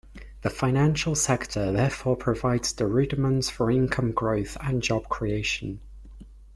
The financial sector therefore provides the rudiments for income-growth and job creation.